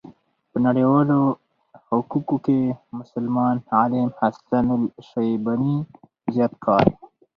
په نړيوالو حقوقو کې مسلمان عالم حسن الشيباني زيات کار